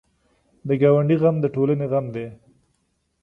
د ګاونډي غم د ټولنې غم دی